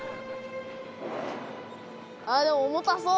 ああーでも重たそう。